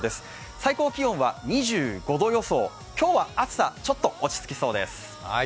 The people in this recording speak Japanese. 最高気温は２５度予想、今日は暑さちょっと落ち着きそうです。